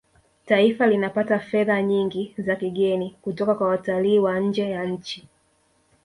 taifa linapata fedha nyingi za kigeni kutoka kwa watalii wa nje ya nchi